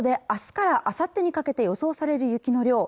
あすからあさってにかけて予想される雪の量